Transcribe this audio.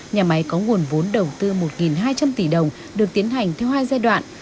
nhà máy có nguồn vốn đầu tư một hai trăm linh tỷ đồng được tiến hành theo hai giai đoạn